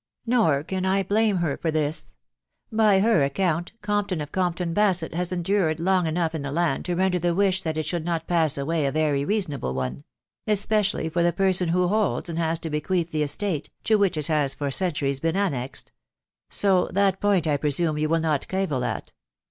Nor can I blame ber for this. By her account, Compton «f Compton Basett has endured long enough in the land to render the wish that it should not pass away, a very reasonable one; especially for the person who holds, and has to bequeath the estate, to which it Jias for centuries been annexed ; so that point, I presume, you will not cavil at.